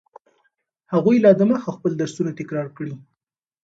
هغوی لا دمخه خپل درسونه تکرار کړي.